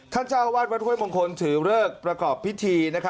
ท่านเจ้าวัดวัดเฮ้ยมงคลถือเริกประกอบพิธี